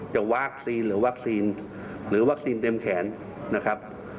จากวัคซีนหรือวัคซีนเต็มแขนนะครับ